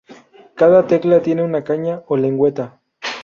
Cada tecla tiene una caña o lengüeta.